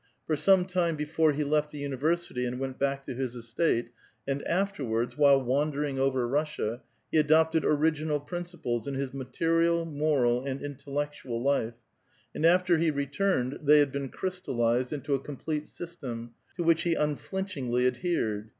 For some time before he left the university and went back to his estate, and afterwards, while wandering over Russia, he adopted original principles in his material, moral, and intellectual life ; anci after he returned, they had been crystallized into a complete system, to which he unflinchingly adhered.